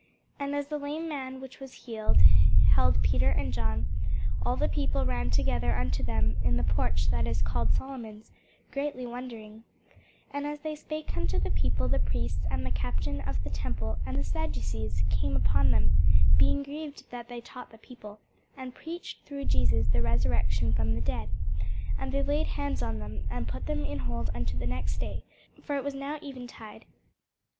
And as the lame man which was healed held Peter and John, all the people ran together unto them in the porch that is called Solomon's, greatly wondering. [Sidenote: The Acts 4] And as they spake unto the people, the priests, and the captain of the temple, and the Sadducees, came upon them, being grieved that they taught the people, and preached through Jesus the resurrection from the dead. And they laid hands on them, and put them in hold unto the next day: for it was now eventide.